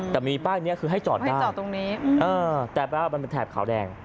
แต่มีป้ายนี้คือให้จอดได้แต่มันเป็นแถบขาวแดง